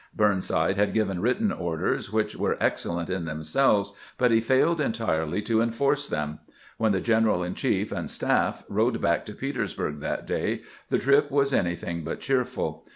Burnside had given written orders which were excellent in them selves, but he failed entirely to enforce them. When the general in chief and staff rode back to Petersburg that day, the trip was anything but cheerful.